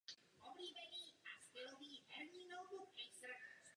Tyto edice mají koncovku „N“.